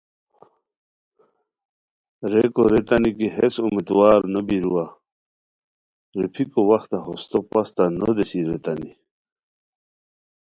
ریکو ریتانی کی ہیس امیدوار نو بیروا روپھیکو وختہ ہوستو پَستہ نو دیسیر ریتانی